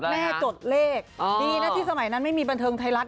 จดเลขดีนะที่สมัยนั้นไม่มีบันเทิงไทยรัฐ